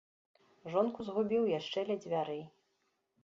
Жонку згубіў яшчэ ля дзвярэй.